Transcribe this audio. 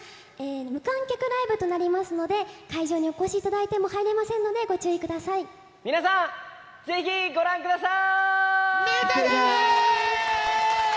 無観客ライブとなりますので、会場にお越しいただいても入れま皆さん、ぜひご覧ください！